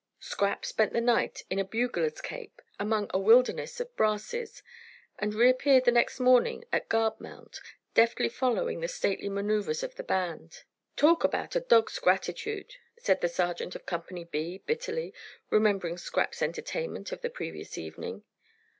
Scrap spent the night in a bugler's cape, among a wilderness of brasses, and reappeared the next morning at guard mount, deftly following the stately maneuvers of the band. "Talk about a dorg's gratitude!" said the sergeant of Company B, bitterly, remembering Scrap's entertainment of the previous evening.